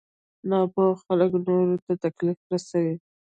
ناپوه خلک نورو ته تکليف رسوي.